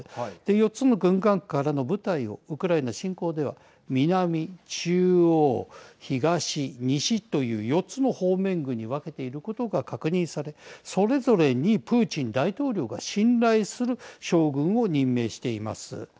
４つの軍管区からの部隊をウクライナ侵攻では南、中央、東、西という４つの方面軍に分けていることが確認されそれぞれにプーチン大統領が信頼する将軍を任命しています。